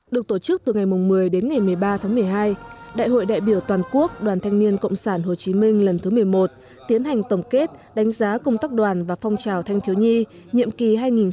được tổ chức từ ngày một mươi đến ngày một mươi ba tháng một mươi hai đại hội đại biểu toàn quốc đoàn thanh niên cộng sản hồ chí minh lần thứ một mươi một tiến hành tổng kết đánh giá công tác đoàn và phong trào thanh thiếu nhi nhiệm kỳ hai nghìn một mươi tám hai nghìn hai mươi